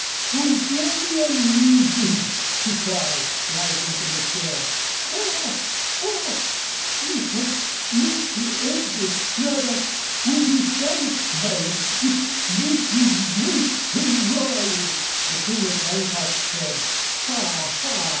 "How very amusing," she cried, rising from her chair. "Ha! ha! She hopes Mr. Edward Craddock will be satisfied with Mrs. Mayston Ryle." The two Miss Hancocks said "Ha! ha!"